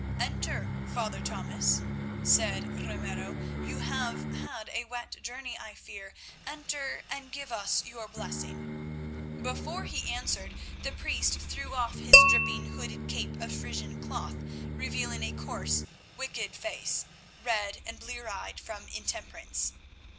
"Enter, Father Thomas," said Ramiro; "you have had a wet journey, I fear. Enter and give us your blessing." Before he answered the priest threw off his dripping, hooded cape of Frisian cloth, revealing a coarse, wicked face, red and blear eyed from intemperance.